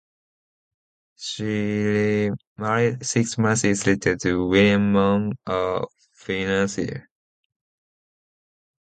She remarried six months later, to William Mann, a financier.